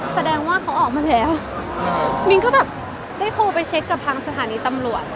แสดงว่าเขาออกมาแล้วมินก็แบบได้โทรไปเช็คกับทางสถานีตำรวจ